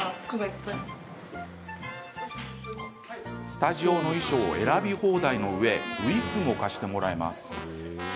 スタジオの衣装を選び放題のうえウイッグも貸してもらえます。